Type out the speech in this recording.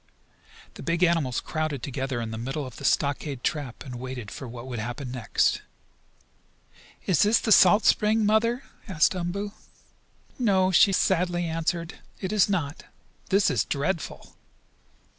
The big animals crowded together in the middle of the stockade trap, and waited for what would happen next. "Is this the salt spring, Mother?" asked Umboo. "No," she sadly answered. "It is not. This is dreadful!"